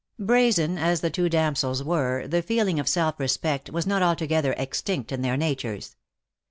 Brazen as the two damsels were the feeling of self respect was not altogether extinct in their natures.